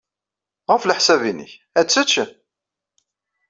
Ɣef leḥsab-nnek, ad tečč?